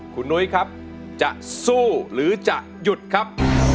คุณนุ้ยครับจะสู้หรือจะหยุดครับ